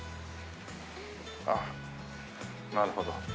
ああなるほど。